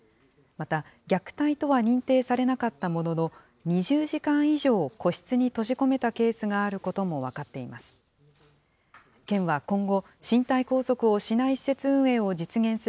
また、虐待とは認定されなかったものの、２０時間以上、個室に閉じ込めたケースがあることも分かっています。